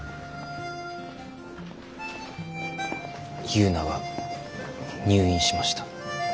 ユウナが入院しました。